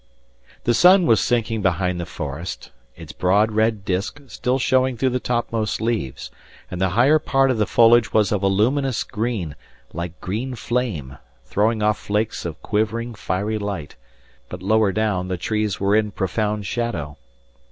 The sun was sinking behind the forest, its broad red disk still showing through the topmost leaves, and the higher part of the foliage was of a luminous green, like green flame, throwing off flakes of quivering, fiery light, but lower down the trees were in profound shadow.